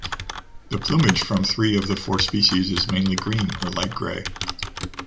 The plumage from three of the four species is mainly green or light grey.